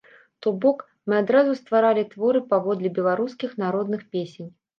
То бок, мы адразу стваралі творы паводле беларускіх народных песень.